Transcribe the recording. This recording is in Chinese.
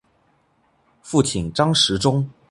父亲张时中。